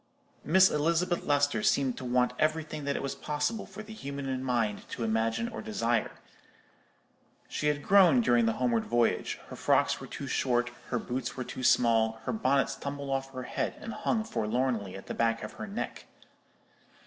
Miss Elizabeth Lester seemed to want everything that it was possible for the human mind to imagine or desire. She had grown during the homeward voyage; her frocks were too short, her boots were too small, her bonnets tumbled off her head and hung forlornly at the back of her neck.